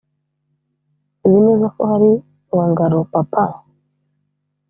'uzi neza ko hari bongaloo, papa?'